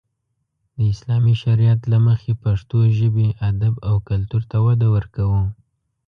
د اسلامي شريعت له مخې پښتو ژبې، ادب او کلتور ته وده ورکو.